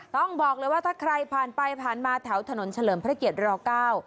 ต้องบอกเลยว่าถ้าใครผ่านไปผ่านมาแถวถนนเฉลิมพระเกียรเก้า